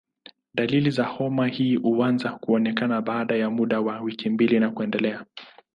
Dalili za homa hii huanza kuonekana baada ya muda wa wiki mbili na kuendelea.